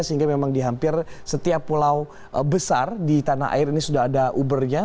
sehingga memang di hampir setiap pulau besar di tanah air ini sudah ada ubernya